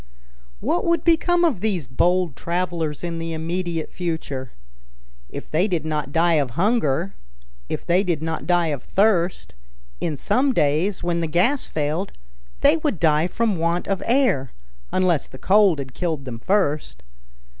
What would become of these bold travelers in the immediate future? If they did not die of hunger, if they did not die of thirst, in some days, when the gas failed, they would die from want of air, unless the cold had killed them first.